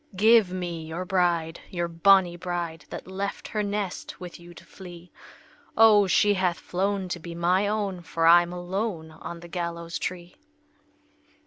"Give me your bride, your bonnie bride, That left her nest with you to flee! O, she hath flown to be my own, For I'm alone on the gallows tree!"